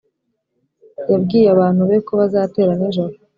yabwiye abantu be ko bazatera nijoro.